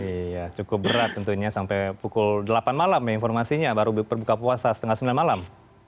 iya cukup berat tentunya sampai pukul delapan malam ya informasinya baru berbuka puasa setengah sembilan malam